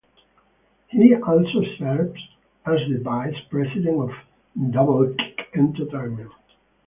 He also served as the vice president of Duble Kick Entertainment.